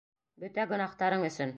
Бөтә гонаһтарың өсөн!